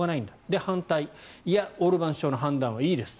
で、反対いや、オルバン首相の判断はいいです。